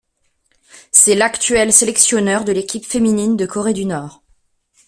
C'est l'actuel sélectionneur de l'équipe féminine de Corée du Nord.